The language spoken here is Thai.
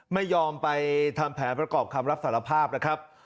ไม่ยอมไปทำแผนประกอบคำรับสารภาพนะครับ